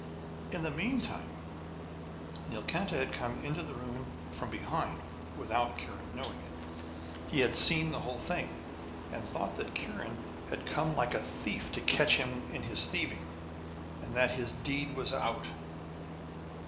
In the meantime, Nilkanta had come into the room from behind without Kiran knowing it. He had seen the whole thing, and thought that Kiran had come like a thief to catch him in his thieving, and that his deed was out.